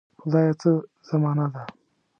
خدایه څه زمانه ده.